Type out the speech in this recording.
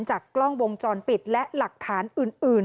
จากกล้องวงจรปิดและหลักฐานอื่น